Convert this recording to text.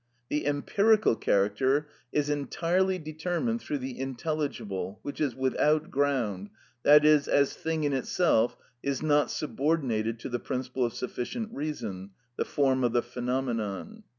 The empirical character is entirely determined through the intelligible, which is without ground, i.e., as thing in itself is not subordinated to the principle of sufficient reason (the form of the phenomenon).